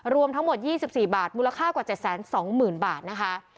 รวมทั้งหมดยี่สิบสี่บาทมูลค่ากว่าเจ็ดแสนสองหมื่นบาทนะคะ